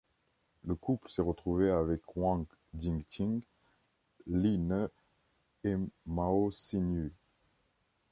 Le couple s'est retrouvé avec Wang Jingqing, Li Ne et Mao Xinyu.